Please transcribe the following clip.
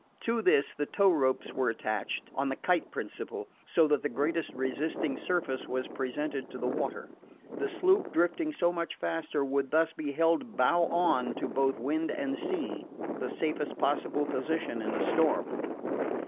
To this the towing ropes were attached, on the kite principle, so that the greatest resisting surface was presented to the water. The sloop, drifting so much faster, would thus be held bow on to both wind and sea the safest possible position in a storm.